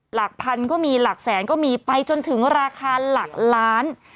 หลักพันก็มีหลักแสนก็มีไปจนถึงราคาหลักล้าน